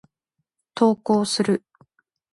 投稿する。